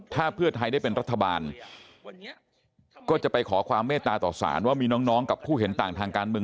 ถ้าเพื่อไทยได้เป็นรัฐบาลก็จะไปขอความเมตตาต่อสารว่ามีน้องกับผู้เห็นต่างทางการเมือง